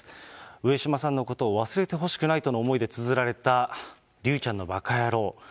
上島さんのことを忘れてほしくないとの思いでつづられた、竜ちゃんのばかやろう。